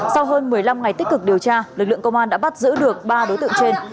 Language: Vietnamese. sau hơn một mươi năm ngày tích cực điều tra lực lượng công an đã bắt giữ được ba đối tượng trên